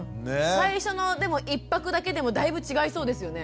最初のでも１泊だけでもだいぶ違いそうですよね。